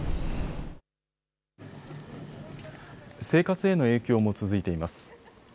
生活への影響も続いています。